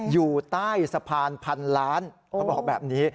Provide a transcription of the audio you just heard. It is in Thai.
อยู่ใต้สะพานพันล้านเขาบอกแบบนี้